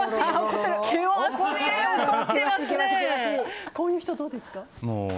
こういう人、どうですか？